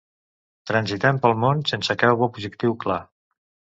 Transitem pel món sense cap objectiu clar